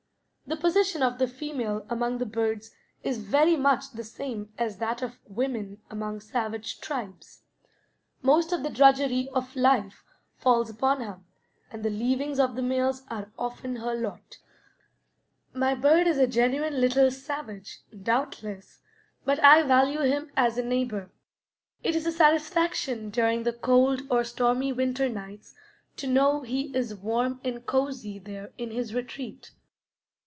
The position of the female among the birds is very much the same as that of women among savage tribes. Most of the drudgery of life falls upon her, and the leavings of the males are often her lot. [Illustration: DOWNY WOODPECKER] My bird is a genuine little savage, doubtless, but I value him as a neighbor. It is a satisfaction during the cold or stormy winter nights to know he is warm and cozy there in his retreat.